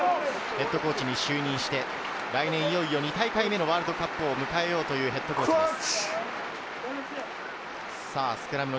来年、いよいよ２大会目のワールドカップを迎えようというヘッドコーチです。